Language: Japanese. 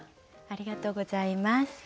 ありがとうございます。